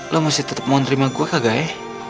lo masih tetep mau nerima gue kagak ya